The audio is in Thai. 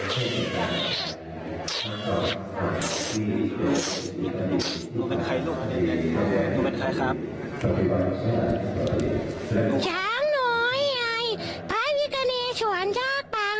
หนูเป็นใครลูกเนี่ยหนูเป็นใครครับ